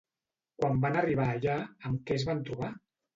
Quan van arribar allà, amb què es van trobar?